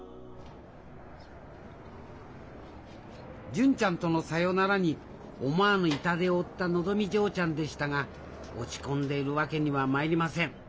純ちゃんとのさよならに思わぬ痛手を負ったのぞみ嬢ちゃんでしたが落ち込んでいるわけにはまいりません。